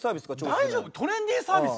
大丈夫？トレンディーサービス？